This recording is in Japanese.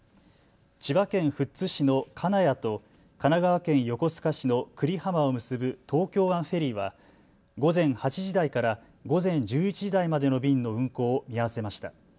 千葉県富津市の金谷と神奈川県横須賀市の久里浜を結ぶ東京湾フェリーは午前８時台から午前１１時台までの便の運航を見合わせました。